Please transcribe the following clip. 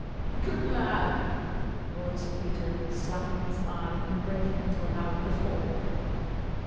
'" "Good lad!" roared Sir Peter, slapping his thigh, and breaking into a loud guffaw.